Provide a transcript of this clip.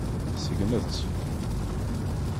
Segnet-t.